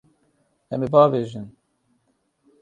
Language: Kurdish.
Em ê biavêjin.